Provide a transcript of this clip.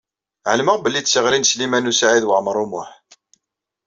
Ɛelmeɣ belli d tiɣṛi n Sliman U Saɛid Waɛmaṛ U Muḥ.